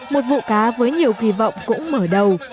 một vụ cá với nhiều kỳ vọng cũng mở đầu